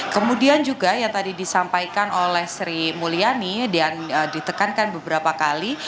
kemudian juga yang tadi disampaikan oleh sri mulyani dan ditekankan beberapa kali